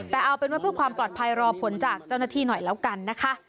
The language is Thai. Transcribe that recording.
แต่เอาเป็นว่าเพื่อความปลอดภัยรอผลจากเจ้าหน้าที่หน่อยแล้วกันนะคะ